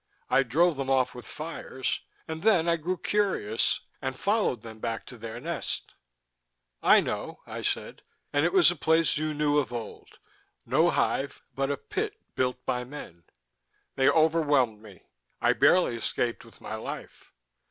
I drove them off with fires, and then I grew curious, and followed them back to their nest " "I know," I said. "' and it was a place you knew of old: no hive but a Pit built by men.'" "They overwhelmed me; I barely escaped with my life.